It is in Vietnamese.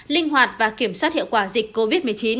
linh hoạt và kiểm soát hiệu quả dịch covid một mươi chín